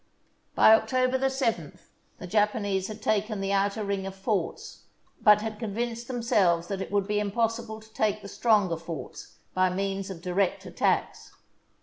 DBy October 7th the Japanese had taken the outer ring of forts, but had convinced themselves that it would be impossible to take the stronger forts by means of direct attacks.